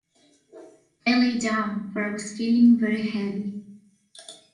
I lay down, for I was feeling very heavy.